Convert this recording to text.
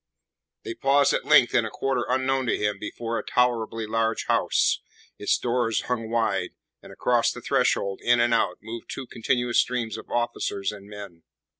They paused at length in a quarter unknown to him before a tolerably large house. Its doors hung wide, and across the threshold, in and out, moved two continuous streams of officers and men.